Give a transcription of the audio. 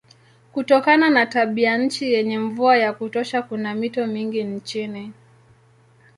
Kutokana na tabianchi yenye mvua ya kutosha kuna mito mingi nchini.